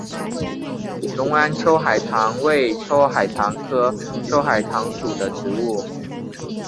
隆安秋海棠为秋海棠科秋海棠属的植物。